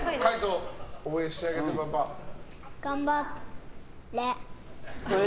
頑張れ。